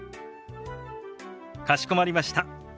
かしこまりました。